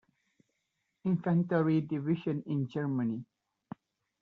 Infanterie-Division in Germany.